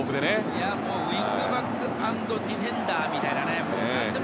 ウィングバック＆ディフェンダーみたいな。